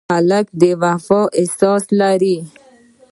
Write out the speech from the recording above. هلک د وفا احساس لري.